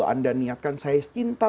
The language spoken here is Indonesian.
kalau anda niatkan saya cinta